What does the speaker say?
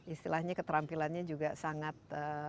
istilahnya keterampilannya juga sangat